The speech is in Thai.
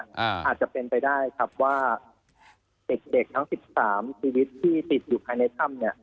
อาจจะเป็นไปได้ครับว่าเด็กทั้ง๑๓ชีวิตที่ติดอยู่ภายในถ้ำเนี่ย